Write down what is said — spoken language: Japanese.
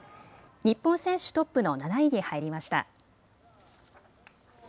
日本選手トップの７位に入りました。